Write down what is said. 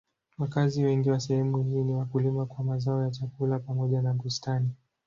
Wakazi wengi wa sehemu hii ni wakulima wa mazao ya chakula pamoja na bustani.